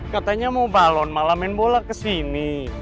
katanya mau balon malah main bola kesini